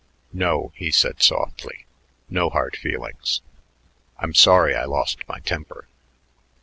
"No," he said softly; "no hard feelings. I'm sorry I lost my temper."